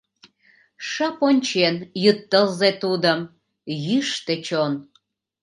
Шып ончен Йӱд тылзе тудым — йӱштӧ чон.